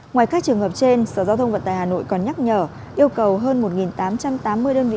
ngoài các trường hợp trên sở giao thông vận tài hà nội còn nhắc nhở yêu cầu hơn một tám trăm tám mươi đơn vị